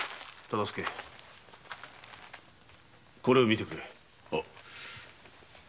これを見てくれ。